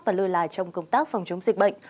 và lơ là trong công tác phòng chống dịch bệnh